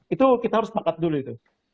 itu kita harus sepakat dulu itu